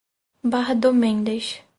Barra do Mendes